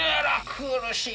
苦しい。